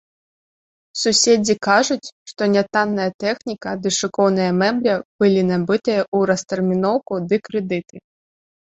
Суседзі кажуць, што нятанная тэхніка ды шыкоўная мэбля былі набытыя ў растэрміноўку ды крэдыты.